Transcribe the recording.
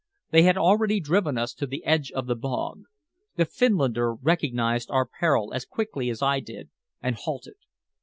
They had already driven us to the edge of the bog. The Finlander recognized our peril as quickly as I did, and halted.